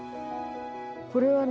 これはね